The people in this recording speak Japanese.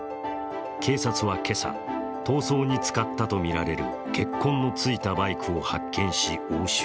警察は今朝、逃走に使ったとみられる血痕のついたバイクを発見し、押収。